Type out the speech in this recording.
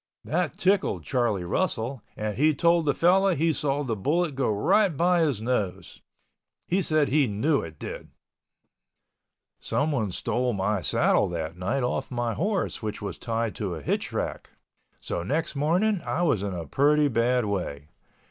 That tickled Charlie Russell and he told the fellow he saw the bullet go right by his nose. He said he knew it did. Somebody stole my saddle that night off my horse which was tied to a hitch rack. So next morning I was in a pretty bad way.